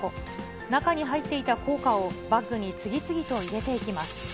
中に入っていた硬貨を、バッグに次々と入れていきます。